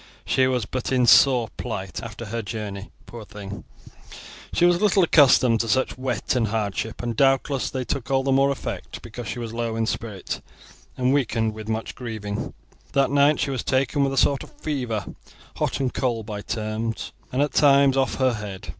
She was but in poor plight after her journey; poor thing, she was little accustomed to such wet and hardship, and doubtless they took all the more effect because she was low in spirit and weakened with much grieving. That night she was taken with a sort of fever, hot and cold by turns, and at times off her head.